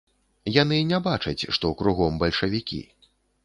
Яны не бачаць, што кругом бальшавікі.